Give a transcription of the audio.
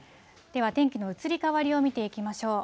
では、天気の移り変わりを見ていきましょう。